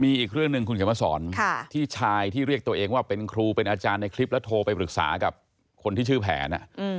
มีอีกเรื่องหนึ่งคุณเขียนมาสอนที่ชายที่เรียกตัวเองว่าเป็นครูเป็นอาจารย์ในคลิปแล้วโทรไปปรึกษากับคนที่ชื่อแผน